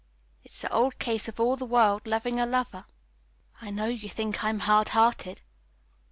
It's the old case of all the world loving a lover. I know you think I'm hard hearted.